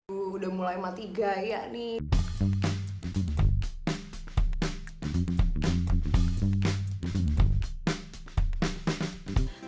udah mulai mati gaya nih